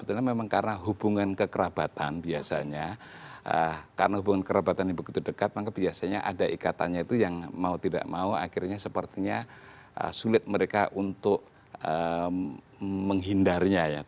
sebetulnya memang karena hubungan kekerabatan biasanya karena hubungan kerabatannya begitu dekat maka biasanya ada ikatannya itu yang mau tidak mau akhirnya sepertinya sulit mereka untuk menghindarnya ya